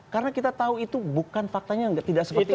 karena kita tahu itu bukan faktanya tidak seperti itu